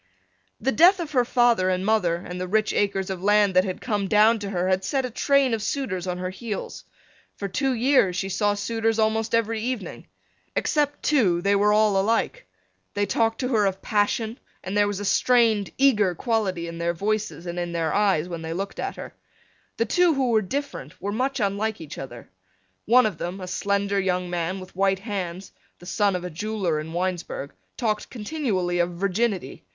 The death of her father and mother and the rich acres of land that had come down to her had set a train of suitors on her heels. For two years she saw suitors almost every evening. Except two they were all alike. They talked to her of passion and there was a strained eager quality in their voices and in their eyes when they looked at her. The two who were different were much unlike each other. One of them, a slender young man with white hands, the son of a jeweler in Winesburg, talked continually of virginity.